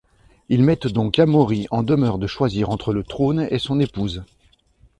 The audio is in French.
Ils mettent donc Amaury en demeure de choisir entre le trône et son épouse.